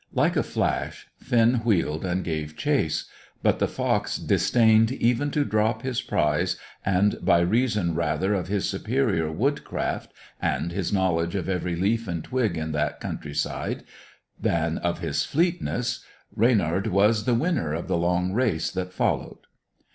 Like a flash, Finn wheeled and gave chase; but the fox disdained even to drop his prize, and, by reason rather of his superior woodcraft, and his knowledge of every leaf and twig in that country side, than of his fleetness, Reynard was the winner of the long race that followed.